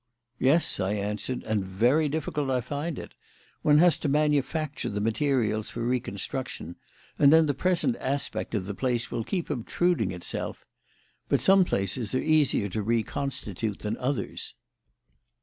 "Yes," I answered, "and very difficult I find it. One has to manufacture the materials for reconstruction, and then the present aspect of the place will keep obtruding itself. But some places are easier to reconstitute than others."